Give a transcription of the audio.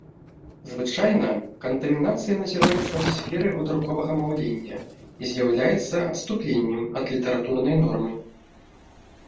Звычайна, кантамінацыя назіраецца ў сферы гутарковага маўлення і з'яўляецца адступленнем ад літаратурнай нормы.